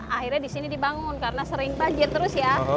akhirnya disini dibangun karena sering banjir terus ya